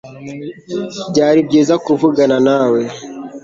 Byari byiza kuvugana nawe